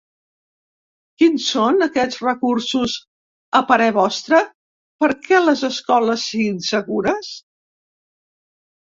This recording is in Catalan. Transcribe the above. Quins són aquests recursos, a parer vostre, perquè les escoles siguin segures?